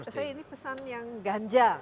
maksud saya ini pesan yang ganja